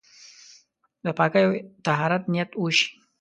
د پاکۍ او طهارت نيت وشي.